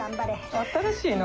新しいな。